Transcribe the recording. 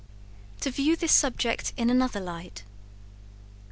To view this subject in another light.